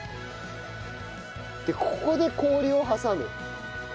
でここで氷を挟む。